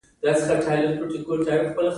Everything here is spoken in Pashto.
نیت پاک ساتئ